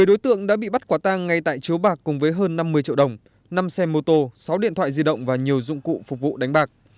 một mươi đối tượng đã bị bắt quả tang ngay tại chiếu bạc cùng với hơn năm mươi triệu đồng năm xe mô tô sáu điện thoại di động và nhiều dụng cụ phục vụ đánh bạc